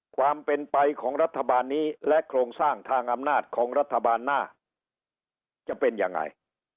ความเป็นไปของรัฐบาลนี้และโครงสร้างทางอำนาจของรัฐบาลหน้าจะเป็นยังไง